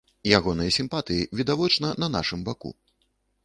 Ягоныя сімпатыі відавочна на нашым баку.